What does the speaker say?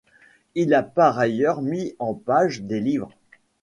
Il a par ailleurs mis en page des livres.